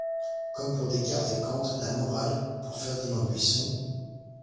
Comme pour Descartes et Kant, la morale, pour Ferdinand Buisson,